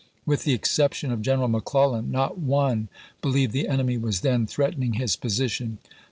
With the exception of General Mc Clellan, not one believed the enemy was then threatening his position.